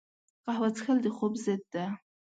قهوه څښل د خوب ضد ده